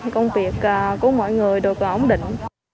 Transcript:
công việc của mọi người được ổn định